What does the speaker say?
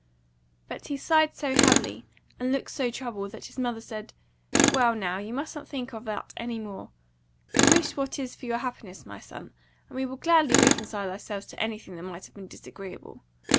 But he sighed so heavily, and looked so troubled, that his mother said, "Well, now, you mustn't think of that any more. We wish what is for your happiness, my son, and we will gladly reconcile ourselves to anything that might have been disagreeable.